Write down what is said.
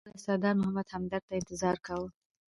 موږ ښاغلي سردار محمد همدرد ته انتظار کاوه.